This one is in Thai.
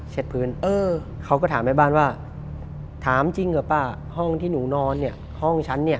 พื้นเออเขาก็ถามแม่บ้านว่าถามจริงเหรอป้าห้องที่หนูนอนเนี่ยห้องฉันเนี่ย